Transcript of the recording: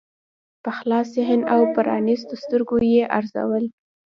په خلاص ذهن او پرانیستو سترګو یې ارزول.